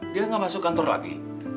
dia nggak masuk kantor lagi